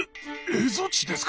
蝦夷地ですか？